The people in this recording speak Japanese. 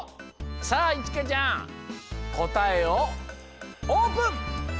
さあいちかちゃんこたえをオープン！